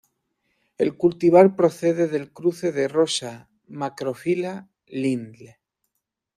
El cultivar procede del cruce de "Rosa macrophylla" Lindl.